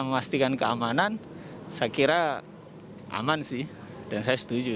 memastikan keamanan saya kira aman sih dan saya setuju